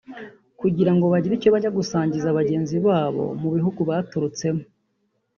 kugira ngo bagire icyo bajya gusangiza bagenzi babo mu bihugu baturutsemo